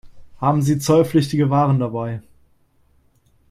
Haben Sie zollpflichtige Ware dabei?